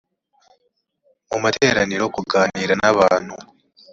mu materaniro kuganira n abantu